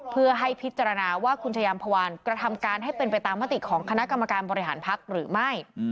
เพื่อให้พิจารณาว่าคุณชายามพวานกระทำการให้เป็นไปตามมติของคณะกรรมการบริหารพักหรือไม่